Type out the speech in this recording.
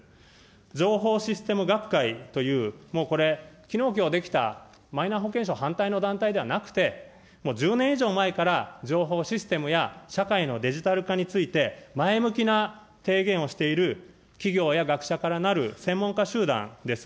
情報システム学会という、もうこれ、きのう、きょう出来たマイナ保険証反対の団体ではなくて、もう１０年以上前から情報システムや社会のデジタル化について、前向きな提言をしている企業や学者からなる専門家集団です。